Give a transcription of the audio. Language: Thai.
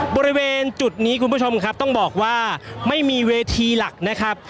บริเวณจุดนี้คุณผู้ชมครับต้องบอกว่าไม่มีเวทีหลักนะครับ